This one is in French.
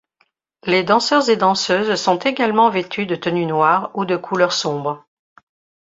Les danseurs et danseuses sont également vêtus de tenues noires ou de couleurs sombres.